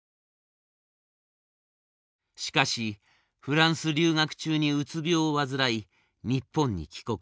しかしフランス留学中にうつ病を患い日本に帰国。